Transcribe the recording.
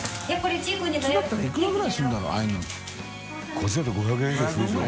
こっちだと５００円以上するでしょ。